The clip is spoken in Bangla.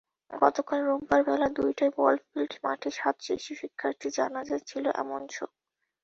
গতকাল রোববার বেলা দুইটায় বলফিল্ড মাঠে সাত শিশু শিক্ষার্থীর জানাজায় ছিল এমন শোক।